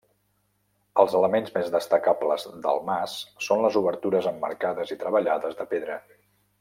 Els elements més destacables del mas són les obertures emmarcades i treballades de pedra.